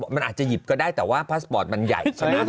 มันอาจจะหยิบก็ได้แต่ว่าพาสปอร์ตมันใหญ่ใช่ไหม